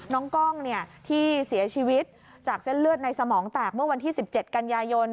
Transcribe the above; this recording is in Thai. น้องกล้องที่เสียชีวิตจากเส้นเลือดในสมองแตกเมื่อวันที่๑๗กันยายน